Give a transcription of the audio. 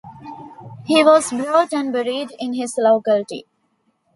He was brought and buried in his locality.